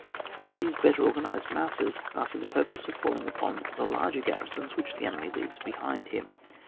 These better organised masses, are for the purpose of falling upon the larger garrisons which the enemy leaves behind him.